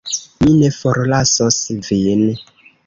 Mi ne forlasos Vin.